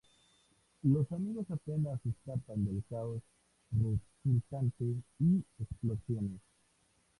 Los amigos apenas escapan del caos resultante y explosiones.